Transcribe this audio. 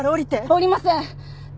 降りません！